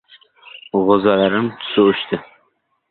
G‘o‘zalarim tusi o‘chdi.